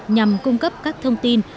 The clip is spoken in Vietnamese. nhằm cung cấp các thông tin